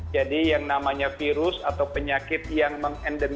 jadi yang namanya virus atau penyakit yang mengembangkan